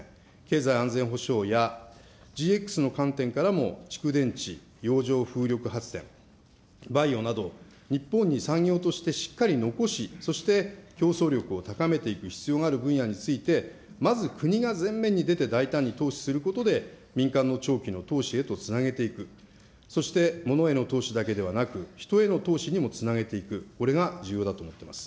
経済安全保障やＧＸの観点からも、蓄電池、洋上風力発電、バイオなど、日本に産業としてしっかり残し、そして競争力を高めていく必要がある分野について、まず国が前面に出て大胆に投資することで、民間の長期の投資へとつなげていく、そしてものへの投資だけではなく、人への投資にもつなげていく、これが重要だと思ってます。